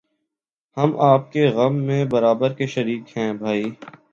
ہم آپ کے غم میں برابر کے شریک ہیں بھائی